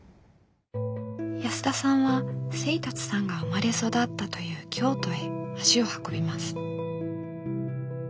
安田さんは清達さんが生まれ育ったという京都へ足を運びます。